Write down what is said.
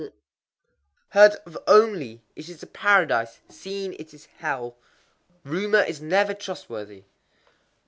_ Heard of only, it is Paradise; seen, it is Hell. Rumor is never trustworthy.